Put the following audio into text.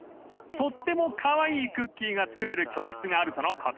［とってもカワイイクッキーが作れる教室があるとのこと］